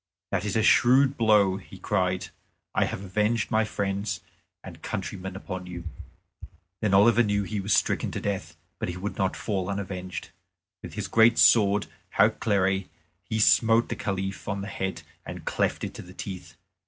"That is a shrewd blow," he cried; "I have avenged my friends and countrymen upon you." Then Oliver knew he was stricken to death, but he would not fall unavenged. With his great sword Hautclere he smote the Caliph on his head and cleft it to the teeth.